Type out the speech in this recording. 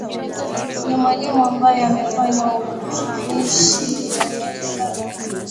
ni mwalimu ambaye amefanya utumishi wake hadi alipostaafu mwaka elfu mbili na kumi na